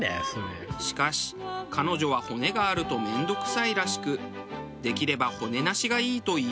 しかし彼女は骨があると面倒くさいらしく「できれば骨なしがいい」と言います。